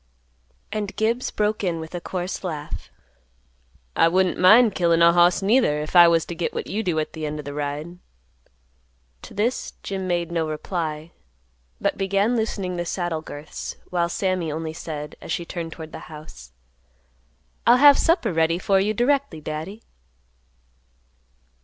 And Gibbs broke in with a coarse laugh, "I wouldn't mind killin' a hoss neither, if I was t' git what you do at th' end o' th' ride." To this, Jim made no reply; but began loosening the saddle girths, while Sammy only said, as she turned toward the house, "I'll have supper ready for you directly, Daddy."